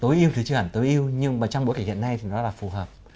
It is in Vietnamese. tối ưu thì chưa hẳn tối ưu nhưng mà trong bối cảnh hiện nay thì nó là phù hợp